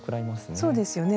そうですよね。